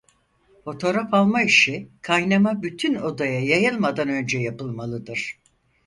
Fotoğraf alma işi kaynama bütün odaya yayılmadan önce yapılmalıdır.